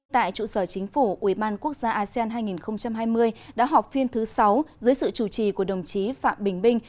tại trụ sở chính phủ ubnd quốc gia asean hai nghìn hai mươi đã họp phiên thứ sáu dưới sự chủ trì của đồng chí phạm bình minh